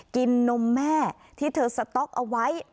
นมแม่ที่เธอสต๊อกเอาไว้